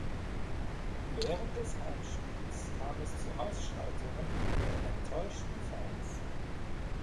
Während des Heimspiels kam es zu Ausschreitungen der enttäuschten Fans.